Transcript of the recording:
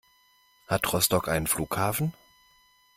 Hat Rostock einen Flughafen?